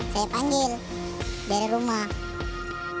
saya panggil dari rumah